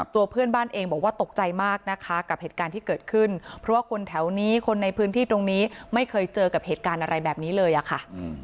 ตัวเพื่อนบ้านเองบอกว่าตกใจมากนะคะกับเหตุการณ์ที่เกิดขึ้นเพราะว่าคนแถวนี้คนในพื้นที่ตรงนี้ไม่เคยเจอกับเหตุการณ์อะไรแบบนี้เลยอะค่ะ